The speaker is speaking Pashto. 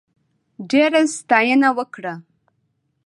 ډېره ستاینه وکړه.